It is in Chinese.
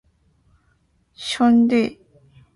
兄弟，你好香